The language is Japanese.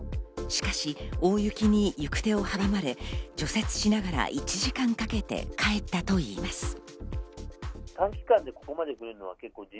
しかし大雪に行く手を阻まれ除雪しながら１時間かけて帰ったといいます。